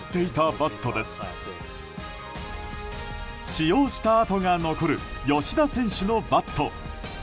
使用した跡が残る吉田選手のバット。